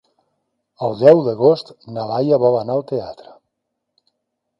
El deu d'agost na Laia vol anar al teatre.